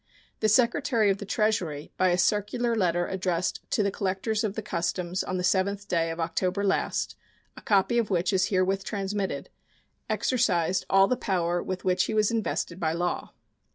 The Secretary of the Treasury, by a circular letter addressed to collectors of the customs on the 7th day of October last, a copy of which is herewith transmitted, exercised all the power with which he was invested by law.